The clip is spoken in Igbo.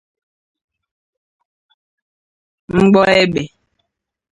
mgbọ egbe